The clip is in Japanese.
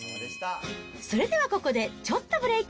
それではここでちょっとブレーク。